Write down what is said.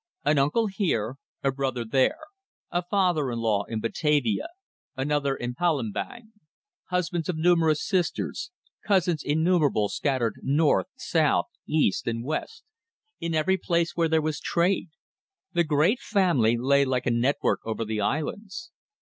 An uncle here a brother there; a father in law in Batavia, another in Palembang; husbands of numerous sisters; cousins innumerable scattered north, south, east, and west in every place where there was trade: the great family lay like a network over the islands.